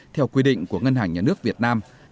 theo quy định của ngân hàng nhà nước việt nam